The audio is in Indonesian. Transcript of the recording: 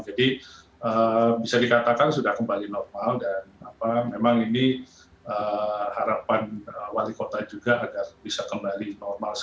jadi bisa dikatakan sudah kembali normal dan memang ini harapan wali kota juga agar bisa kembali normal